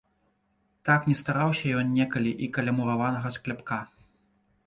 Так не стараўся ён некалі і каля мураванага скляпка.